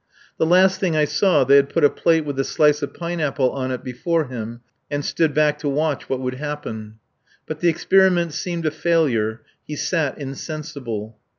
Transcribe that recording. The last thing I saw they had put a plate with a slice of pine apple on it before him and stood back to watch what would happen. But the experiment seemed a failure. He sat insensible.